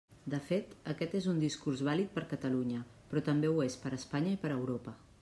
De fet, aquest és un discurs vàlid per Catalunya, però també ho és per Espanya i per Europa.